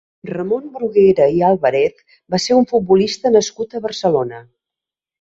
Ramon Bruguera i Álvarez va ser un futbolista nascut a Barcelona.